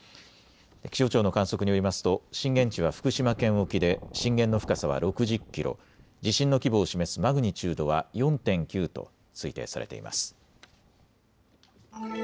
気象庁の観測によりますと震源地は福島県沖で震源の深さは６０キロ、地震の規模を示すマグニチュードは４．９と推定されています。